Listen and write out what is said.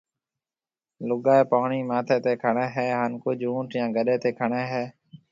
لوگائيَ پاڻِي ماٿيَ تيَ کڻيَ ھيَََ ھان ڪجھ اُونٺ يا گڏَي تيَ کڻيَ ھيََََ